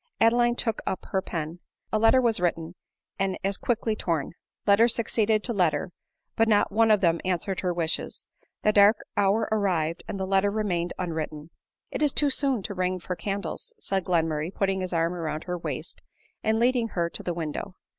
Adeline took up her pen. A letter was written — and as quickly torn. Letter succeeded to letter ; but not one of them answered her wishes. The dark hour arrived, and the letter remained unwritten. " It is too soon to ring for candles," said Glenmurray, putting his arm round her waist and leading her to the window.